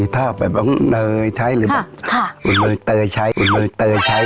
ท่าแบบเงยใช้หรือแบบเงยเตยใช้